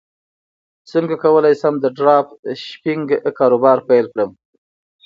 څنګه کولی شم د ډراپ شپینګ کاروبار پیل کړم